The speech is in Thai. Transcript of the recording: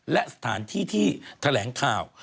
และสถานที่ที่แถลงข่าว